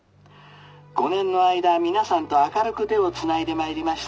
５年の間皆さんと明るく手をつないでまいりました